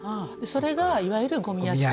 それがいわゆるゴミ屋敷。